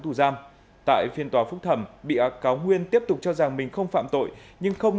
tù giam tại phiên tòa phúc thẩm bị cáo nguyên tiếp tục cho rằng mình không phạm tội nhưng không